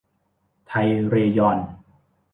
ไทยเรยอน